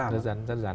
rất dần rất dần